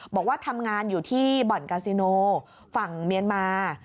บอกว่าทำงานอยู่ที่บ่อนกาซิโนฝั่งเมียนมา